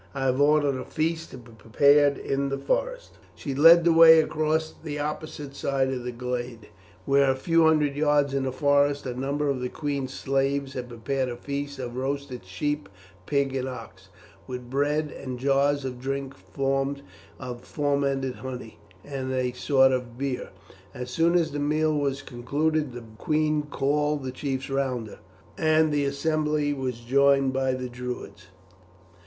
I have ordered a feast to be prepared in the forest." She led the way across the opposite side of the glade, where, a few hundred yards in the forest, a number of the queen's slaves had prepared a feast of roasted sheep, pig, and ox, with bread and jars of drink formed of fermented honey, and a sort of beer. As soon as the meal was concluded the queen called the chiefs round her, and the assembly was joined by the Druids.